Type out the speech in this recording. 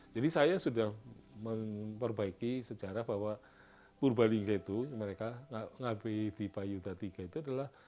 jadi saya sudah memperbaiki sejarah bahwa purbalingga itu ngabeyi di bayudha iii itu adalah